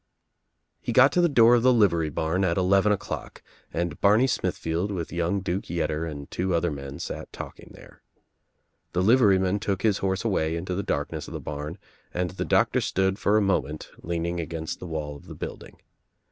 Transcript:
He got to the door of the livery barn at eleven o'clock and Barney Smithfield with young Duke Yetter and two other men sat talking there. The liveryman took his horse away into the darkness of the barn and the doctor stood for a moment leaning against the wall of the building.